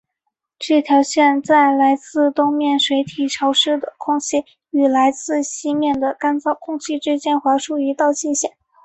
这条线在来自东面水体潮湿的空气与来自西面的干燥空气之间划出一道界限。